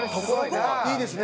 いいですね！